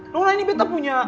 loh ini betah punya